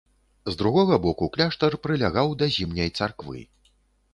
З другога боку кляштар прылягаў да зімняй царквы.